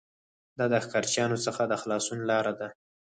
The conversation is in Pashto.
دا د ښکارچیانو څخه د خلاصون لاره ده